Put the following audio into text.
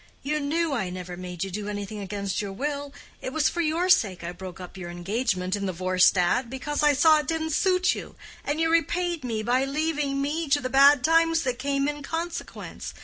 You knew I never made you do anything against your will. It was for your sake I broke up your engagement in the Vorstadt, because I saw it didn't suit you, and you repaid me by leaving me to the bad times that came in consequence.